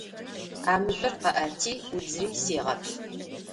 А мыжъор къэӏэти ӏудзыри сегъэплъ.